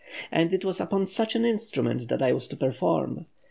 And it was upon such an instrument I was to perform!